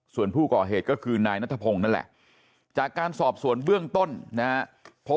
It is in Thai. ส่วนผู้ก่อเหตุก็คือนายนัทพงศ์นั่นแหละจากการสอบสวนเบื้องต้นนะฮะพบ